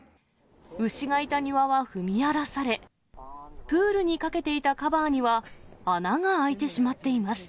牛がいた庭は踏み荒らされ、プールにかけていたカバーには、穴が開いてしまっています。